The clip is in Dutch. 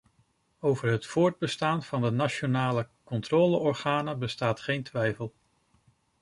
Over het voortbestaan van de nationale controleorganen bestaat geen twijfel.